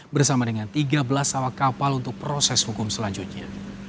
bersama dengan tiga belas awak kapal untuk proses hukum selanjutnya